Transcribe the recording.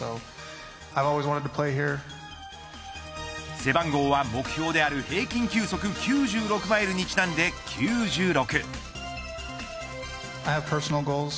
背番号は、目標である平均球速９６マイルにちなんで９６。